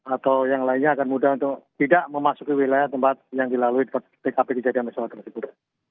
atau yang lainnya akan mudah untuk tidak memasuki wilayah tempat yang dilalui tkp kejadian pesawat tersebut